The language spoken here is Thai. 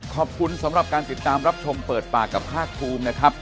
ขอบคุณสำหรับการติดตามรับชมเปิดปากกับภาคภูมินะครับ